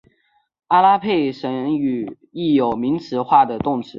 阿拉佩什语亦有名词化的动词。